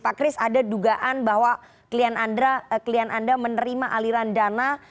pak kris ada dugaan bahwa klien anda menerima aliran dana